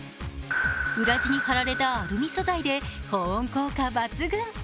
裏地に貼られたアルミ素材で保温効果抜群。